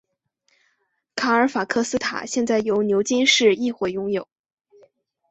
卡尔法克斯塔现在由牛津市议会拥有。